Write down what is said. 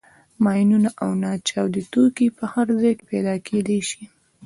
ماینونه او ناچاودي توکي په هر ځای کې پیدا کېدای شي.